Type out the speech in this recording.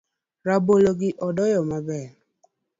Rabolo gi odoyo maber